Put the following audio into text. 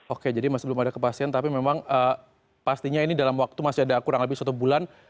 oke jadi masih belum ada kepastian tapi memang pastinya ini dalam waktu masih ada kurang lebih satu bulan